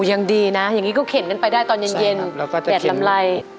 ยังดีนะอย่างนี้ก็เข็นกันไปได้ตอนเย็นแกะกำไร